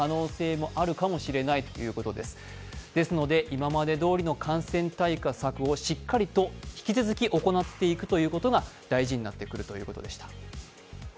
今までどおりの感染対策をしっかりと引き続き行っていくことが大事になっていくということでした。